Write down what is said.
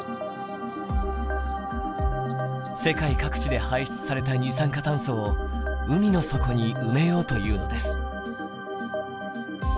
世界各地で排出された二酸化炭素を海の底に埋めようというのです。